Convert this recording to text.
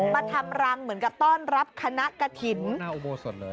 มาทำรังเหมือนกับต้อนรับคณะกระถิ่นหน้าอุโบสถเลย